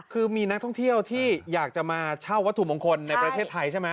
คือมีนักท่องเที่ยวที่อยากจะมาเช่าวัตถุมงคลในประเทศไทยใช่ไหม